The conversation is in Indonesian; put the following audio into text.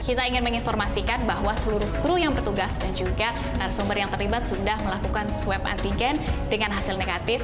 kita ingin menginformasikan bahwa seluruh kru yang bertugas dan juga narasumber yang terlibat sudah melakukan swab antigen dengan hasil negatif